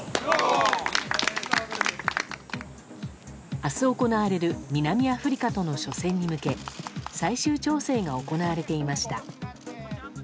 明日行われる南アフリカとの初戦に向け最終調整が行われていました。